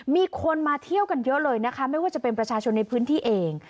มีคนมาเที่ยวกันเยอะเลยนะคะไม่ว่าจะเป็นประชาชนในพื้นที่เอง